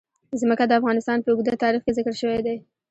ځمکه د افغانستان په اوږده تاریخ کې ذکر شوی دی.